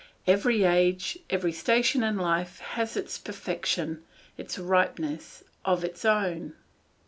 Every age, every station in life, has a perfection, a ripeness, of its own.